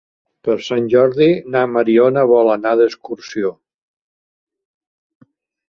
Per Sant Jordi na Mariona vol anar d'excursió.